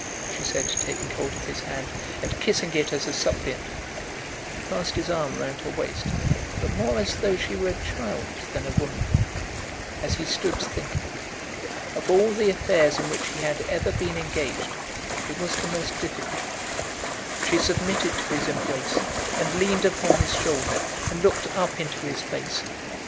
she said, taking hold of his hand, and kissing it as a suppliant. He passed his arm round her waist, but more as though she were a child than a woman, as he stood thinking. Of all the affairs in which he had ever been engaged, it was the most difficult. She submitted to his embrace, and leaned upon his shoulder, and looked up into his face.